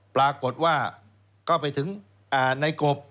ปรากฏว่าก็ไปถึงในกบ